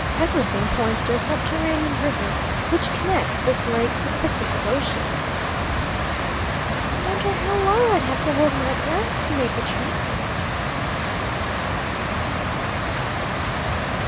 Everything points to a subterranean river which connects this lake with the Pacific Ocean." "Wonder how long I'd have to hold my breath to make the trip?"